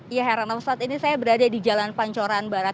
ya heran heran saat ini saya berada di jalan pancoran barat delapan